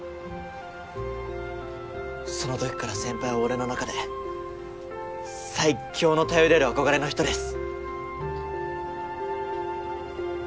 その時から先輩は俺の中で最強の頼れる憧れの人です。